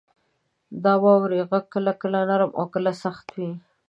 • د واورې غږ کله کله نرم او کله سخت وي.